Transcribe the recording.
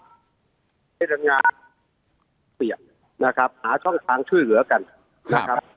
ผู้ใช้แรงงานเปรียบนะครับหาช่องทางช่วยเหลือกันนะครับ